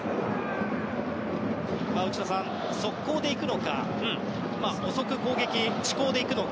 内田さん、速攻で行くのか遅攻で行くのか。